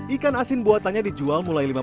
ikan asin buatannya dijual mulai lebih murah